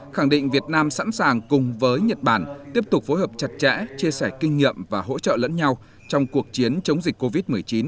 khẳng định việt nam sẵn sàng cùng với nhật bản tiếp tục phối hợp chặt chẽ chia sẻ kinh nghiệm và hỗ trợ lẫn nhau trong cuộc chiến chống dịch covid một mươi chín